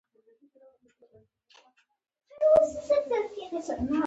واکمنان کولی شول د خلکو حقوق واخلي.